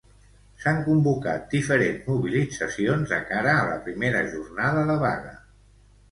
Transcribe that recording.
S'han convocat diferents mobilitzacions de cara a la primera jornada de vaga.